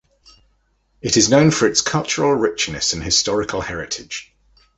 It is known for its cultural richness and historical heritage.